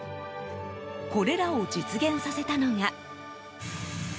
これらを実現させたのが。